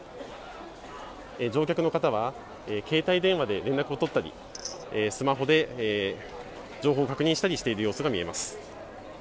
乗客の方は携帯電話で連絡を取ったりスマホで情報を確認したりしている様子が見えます。